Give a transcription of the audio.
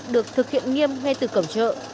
được thực hiện nghiêm ngay từ cổng chợ